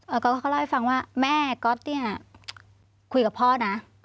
ก๊อตเขาเล่าให้ฟังว่าแม่ก๊อตเนี่ยคุยกับพ่อนะ